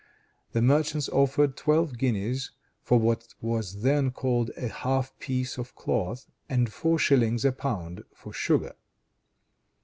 The merchants offered twelve guineas for what was then called a half piece of cloth, and four shillings a pound for sugar.